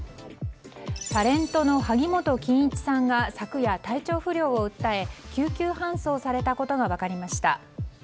タレントの萩本欽一さんが昨夜、体調不良を訴え救急搬送されたことが分かりました。